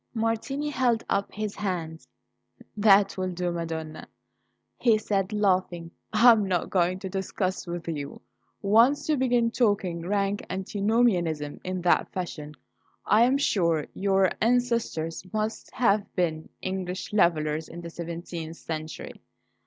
Martini held up his hands. "That will do, Madonna," he said, laughing. "I am not going to discuss with you, once you begin talking rank Antinomianism in that fashion. I'm sure your ancestors must have been English Levellers in the seventeenth century.